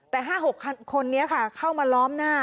แต่๕๖คนนี้ค่ะเข้ามาล้อมหน้า